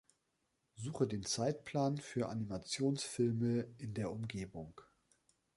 Suche den Zeitplan für Animationsfilme in der Umgebung